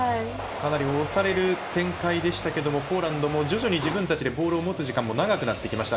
かなり押される展開でしたがポーランドも徐々に自分たちでボールを持つ時間も長くなってきました。